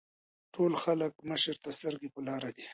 ټول خلک مشر ته سترګې پۀ لار دي ـ